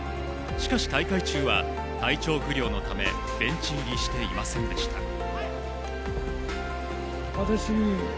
しかし、大会中は体調不良のためベンチ入りしていませんでした。